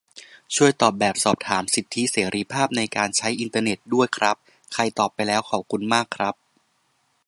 ช่วยตอบแบบสอบถาม "สิทธิเสรีภาพในการใช้อินเทอร์เน็ต" ด้วยครับ ใครตอบไปแล้ว ขอบคุณมากครับ